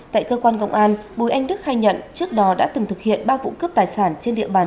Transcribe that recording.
tại cơ quan công an bùi anh đức khai nhận trước đó đã từng thực hiện ba vụ cướp tài sản trên địa bàn